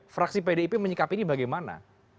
fraksi pdip menyikapi ini bagaimana